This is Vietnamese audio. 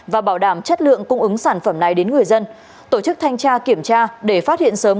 và bảo đảm chất lượng cung ứng sản phẩm này đến người dân tổ chức thanh tra kiểm tra để phát hiện sớm